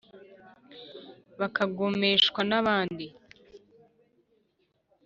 Bakagomeshwa nabandi